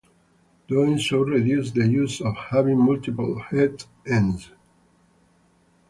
Doing so reduces the use of having multiple head ends.